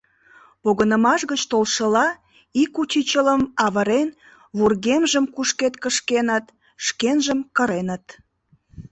Погынымаш гыч толшыла, ик учичылым авырен, вургемжым кушкед кышкеныт, шкенжым кыреныт.